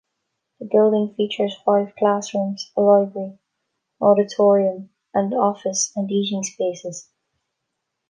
The building features five classrooms, a library, auditorium and office and eating spaces.